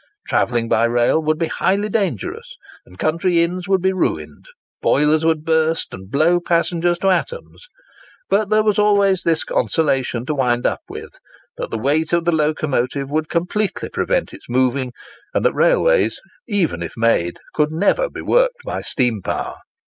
Travelling by rail would be highly dangerous, and country inns would be ruined. Boilers would burst and blow passengers to atoms. But there was always this consolation to wind up with—that the weight of the locomotive would completely prevent its moving, and that railways, even if made, could never be worked by steam power.